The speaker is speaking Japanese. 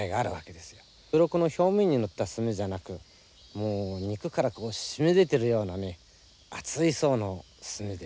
うろこの表面にのった墨じゃなくもう肉から染み出てるようなね厚い層の墨で。